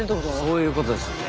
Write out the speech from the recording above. そういうことですよね。